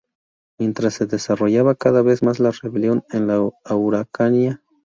Mientras se desarrollaba cada vez más la rebelión en la Araucanía.